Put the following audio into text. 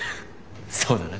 そうだな。